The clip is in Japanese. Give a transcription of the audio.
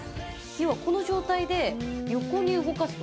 要はこの状態で横に動かすと。